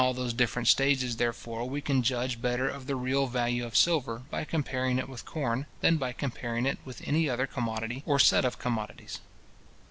In all those different stages, therefore, we can judge better of the real value of silver, by comparing it with corn, than by comparing it with any other commodity or set of commodities.